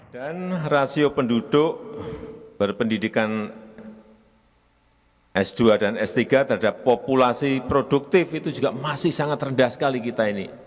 dan rasio penduduk berpendidikan s dua dan s tiga terhadap populasi produktif itu juga masih sangat rendah sekali kita ini